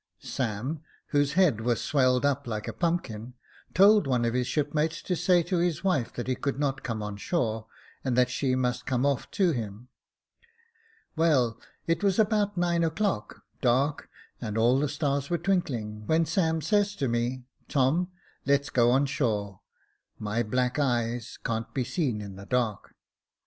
Sam, whose head was swelled up like a pumpkin, told one of his shipmates to say to his wife that he could not come on shore, and that she must come off to him. Well, it was about nine o'clock, dark, and all the stars were twinkling, when Sam says to me, * Tom, let's go on shore ; my black eyes can't be seen in the dark.'